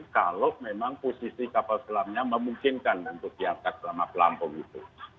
kalau memang posisi kapal selamnya memungkinkan untuk diangkat selama pelampung itu